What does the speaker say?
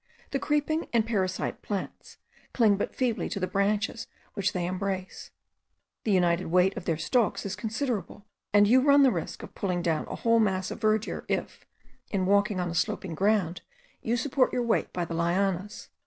The creeping and parasite plants cling but feebly to the branches which they embrace; the united weight of their stalks is considerable, and you run the risk of pulling down a whole mass of verdure, if, in walking on a sloping ground, you support your weight by the lianas.